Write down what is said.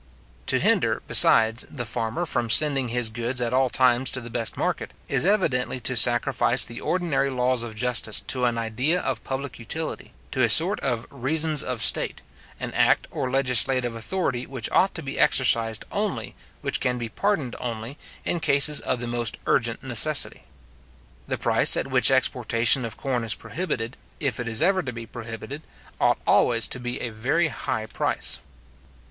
To hinder, besides, the farmer from sending his goods at all times to the best market, is evidently to sacrifice the ordinary laws of justice to an idea of public utility, to a sort of reasons of state; an act or legislative authority which ought to be exercised only, which can be pardoned only, in cases of the most urgent necessity. The price at which exportation of corn is prohibited, if it is ever to be prohibited, ought always to be a very high price.